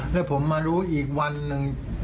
แล้วผมมารู้อีกวันหนึ่ง